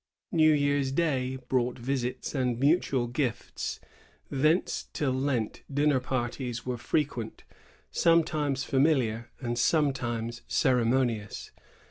New Year's day brought visits and mutual gifts. Thence till Lent dinner parties were frequent, sometimes familiar and sometimes ceremonious.